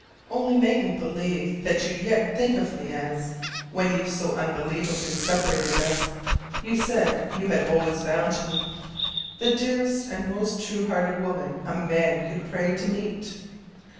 Only make me believe that you yet think of me as, when you so unbelievably separated us, you said you had always found me "the dearest and most true hearted woman a man could pray to meet."